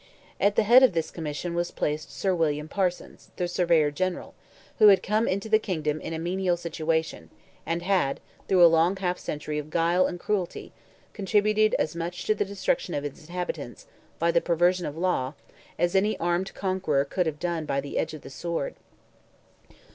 At the head of this Commission was placed Sir William Parsons, the Surveyor General, who had come into the kingdom in a menial situation, and had, through a long half century of guile and cruelty, contributed as much to the destruction of its inhabitants, by the perversion of law, as any armed conqueror could have done by the edge of the sword.